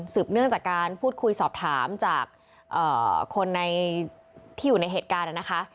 เนื่องจากการพูดคุยสอบถามจากคนที่อยู่ในเหตุการณ์นะคะ